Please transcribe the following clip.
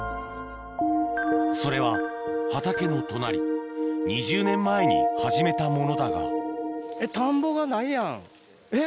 それは畑の隣２０年前に始めたものだが田んぼがないやんえっ